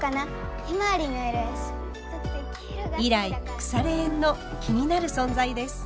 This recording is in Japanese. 以来くされ縁の気になる存在です。